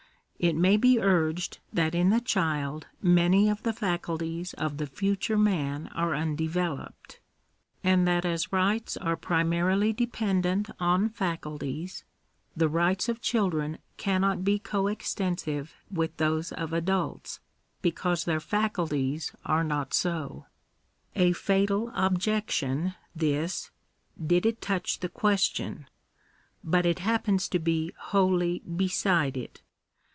It may be urged that in the child many of the faculties of the future man are undeveloped, and that as rights are primarily dependent on faculties, the rights of children can not be co extensive with those of adults, because their faculties are not so. A fatal objection this, did it touch the question ; but it happens to be wholly beside it.